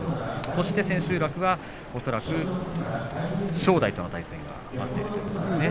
そして千秋楽は恐らく正代との対戦が待っているということです。